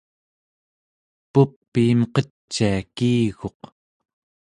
pupiim qecia kiiguq